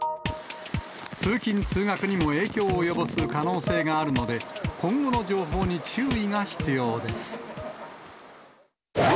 通勤・通学にも影響を及ぼす可能性があるので、今後の情報に注意が必要です。